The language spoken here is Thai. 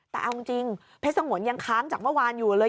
แต่เอาจริงเพชรสงวนยังค้างจากเมื่อวานอยู่เลย